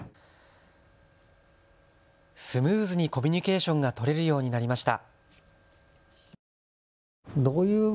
スムーズにコミニュケーションが取れるようになりました。